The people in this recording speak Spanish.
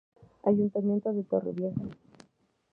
Ayuntamiento de Torrevieja.